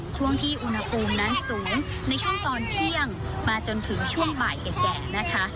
ช่วงที่อุณหภูมินั้นสูงในช่วงตอนเที่ยงมาจนถึงช่วงบ่ายแก่นะคะ